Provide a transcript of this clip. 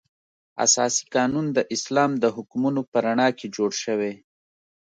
اساسي قانون د اسلام د حکمونو په رڼا کې جوړ شوی.